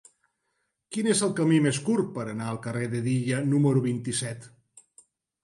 Quin és el camí més curt per anar al carrer d'Hedilla número vint-i-set?